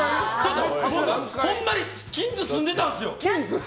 ほんまに近所、住んでたんですよ。